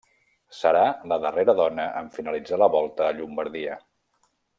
Serà la darrera dona en finalitzar la Volta a Llombardia.